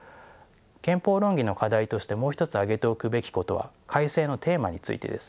憲法論議の課題としてもう一つ挙げておくべきことは改正のテーマについてです。